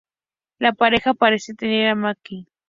La pareja parecen temer a McCarthy.